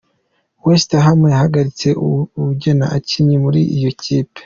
West Ham yahagaritse uwugena abakinyi muri iyo kipe.